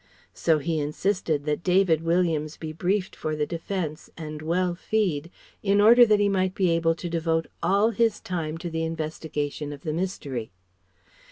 So he insisted that David Williams be briefed for the defence, and well fee'ed, in order that he might be able to devote all his time to the investigation of the mystery.